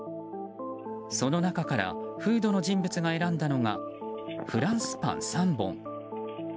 その中からフードの人物が選んだのがフランスパン３本。